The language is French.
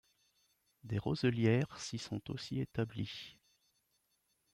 Des roselières s'y sont aussi établies.